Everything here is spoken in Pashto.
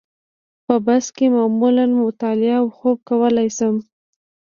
په بس کې معمولاً مطالعه او خوب کولای شم.